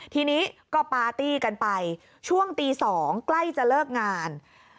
ทีนี้ก็ปาร์ตี้กันไปช่วงตี๒ใกล้จะเลิกงาน